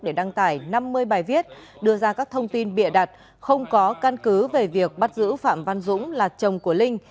để đăng tải năm mươi bài viết đưa ra các thông tin bịa đặt không có căn cứ về việc bắt giữ phạm văn dũng là chồng của linh